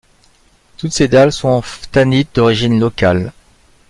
Toutes ces dalles sont en phtanite d'origine locale.